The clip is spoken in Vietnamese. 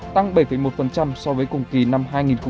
tăng bảy một so với cùng kỳ năm hai nghìn hai mươi ba